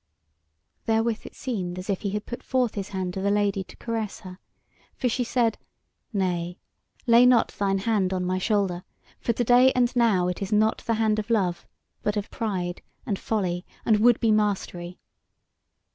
Therewith it seemed as if he had put forth his hand to the Lady to caress her, for she said: "Nay, lay not thine hand on my shoulder, for to day and now it is not the hand of love, but of pride and folly, and would be mastery.